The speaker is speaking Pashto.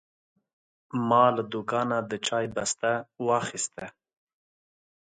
ما له دوکانه د چای بسته واخیسته.